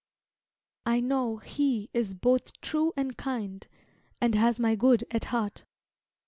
I know He is both true and kind, And has my good at heart.